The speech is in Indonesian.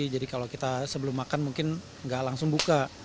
jadi kalau kita sebelum makan mungkin nggak langsung buka